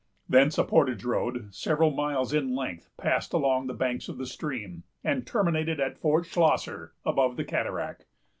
Thence a portage road, several miles in length, passed along the banks of the stream, and terminated at Fort Schlosser, above the cataract.